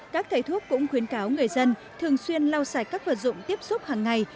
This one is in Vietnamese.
các thầy thuốc cũng khuyến cáo người dân thường xuyên lau sạch các vật dụng tiếp xúc hàng ngày